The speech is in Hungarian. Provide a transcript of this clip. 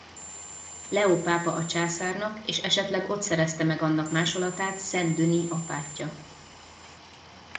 Leó pápa a császárnak és esetleg ott szerezte meg annak másolatát Saint-Denis apátja.